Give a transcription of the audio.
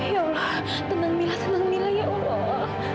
ya allah tenang mila tenang mila ya allah